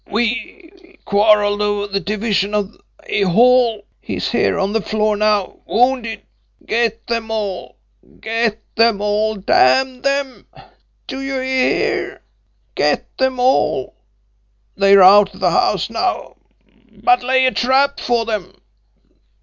We quarrelled over the division of a haul. He's here on the floor now, wounded. Get them all, get them all, damn them! do you hear? get them all! They're out of the house now, but lay a trap for them.